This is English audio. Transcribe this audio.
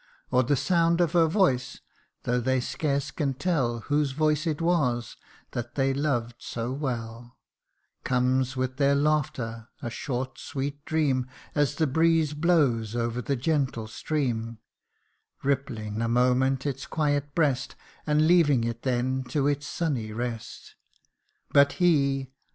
Or the sound of her voice (though they scarce can tell Whose voice it was, that they loved so well) Comes with their laughter, a short sweet dream As the breeze blows over the gentle stream, Rippling a moment its quiet breast, And leaving it then to its sunny rest. But he